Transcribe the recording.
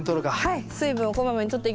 はい。